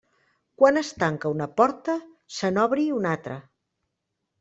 Quan es tanca una porta, se n'obri una altra.